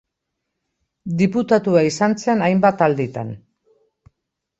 Diputatua izan zen hainbat alditan.